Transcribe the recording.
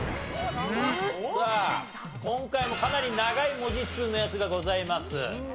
さあ今回もかなり長い文字数のやつがございます。